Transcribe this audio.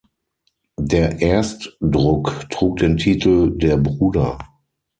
Der Erstdruck trug den Titel »Der Bruder.